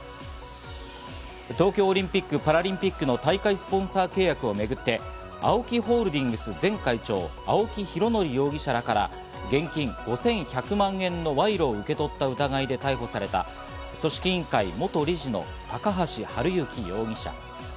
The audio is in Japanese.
東京オリンピック・パラリンピックの大会スポンサー契約をめぐって、ＡＯＫＩホールディングス前会長・青木拡憲容疑者らから現金５１００万円の賄賂を受け取った疑いで逮捕された組織委員会元理事の高橋治之容疑者。